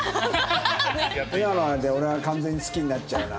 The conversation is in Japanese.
今のはあれだよ俺は完全に好きになっちゃうな。